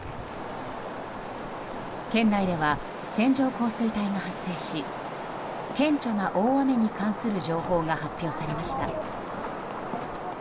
県内では線状降水帯が発生し顕著な大雨に関する情報が発表されました。